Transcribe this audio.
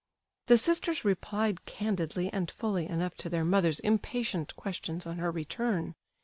The sisters replied candidly and fully enough to their mother's impatient questions on her return.